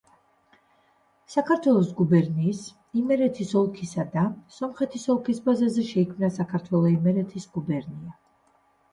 საქართველოს გუბერნიის, იმერეთის ოლქისა და სომხეთის ოლქის ბაზაზე შეიქმნა საქართველო-იმერეთის გუბერნია.